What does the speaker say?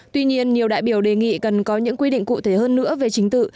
tuy nhiên nhiều đại biểu đề nghị cần có những quy định cụ thể hơn nữa về chính tự